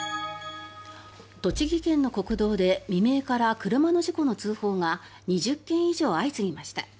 栃木県の国道で未明から車の事故の通報が２０件以上相次ぎました。